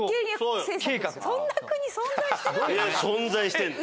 存在してるの。